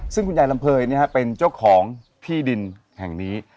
ซึ่งคุณยายลำเภยเป็นเจ้าของที่ดินแห่งนี้